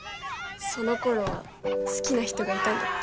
その頃は好きな人がいたんだって。